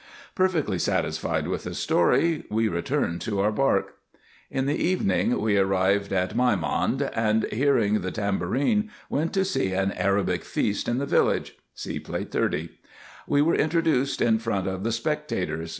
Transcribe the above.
Perfectly satisfied with the story, we returned to our bark. In the evening we arrived at Meimond ; and, hearing the tam bourine, went to see an Arabic feast in the village (See Plate 30.) We were introduced in front of the spectators.